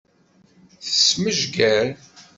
Tesmejger.